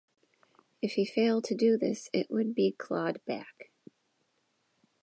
If he failed to do this, it would be clawed-back.